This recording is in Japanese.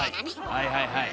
はいはいはい。